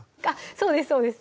そうですそうです